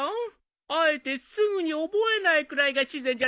あえてすぐに覚えないくらいが自然じゃない？